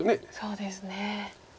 そうですね。